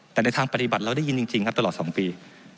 แต่ในทางปฏิบัติเราได้ยินจริงครับตลอด๒ปี